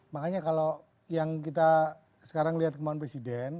makanya kalau yang kita sekarang lihat kemauan presiden